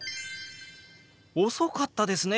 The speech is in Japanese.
遅かったですね。